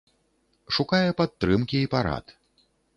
Шукае падтрымкі і парад.